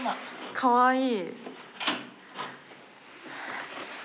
かわいい。